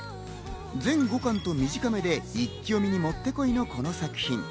全５巻と短めで、一気読みにもってこいのこの作品。